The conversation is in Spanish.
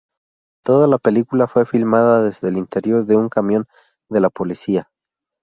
Toda la película fue filmada desde el interior de un camión de la policía.